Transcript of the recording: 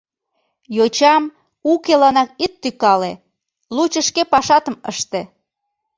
Йочам укеланак ит тӱкале, лучо шке пашатым ыште.